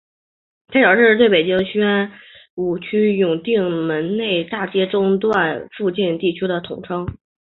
天桥是对北京市宣武区永定门内大街中段附近地区的统称。